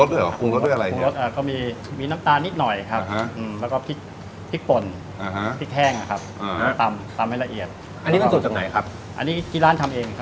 ดีนะหอมชิ้นมากแต่เผ็ดมากเลยโอ้โหชิ้น